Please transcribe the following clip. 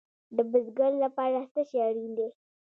د بزګر لپاره څه شی اړین دی؟